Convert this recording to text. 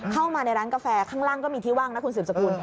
เข้ามาในร้านกาแฟข้างล่างก็มีที่ว่างนะคุณสืบสกุล